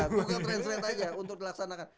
google translate aja untuk dilaksanakan